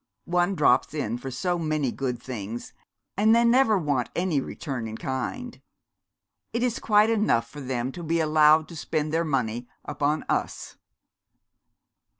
One drops in for so many good things; and they never want any return in kind. It is quite enough for them to be allowed to spend their money _upon us.